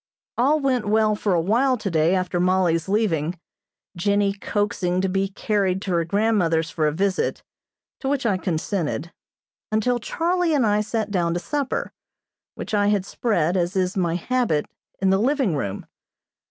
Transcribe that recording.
All went well for a while today after Mollie's leaving, Jennie coaxing to be carried to her grandmother's for a visit, to which I consented, until Charlie and I sat down to supper, which I had spread, as is my habit, in the living room.